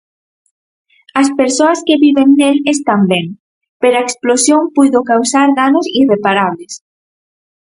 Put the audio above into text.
As persoas que viven nel están ben, pero a explosión puido causar danos irreparables.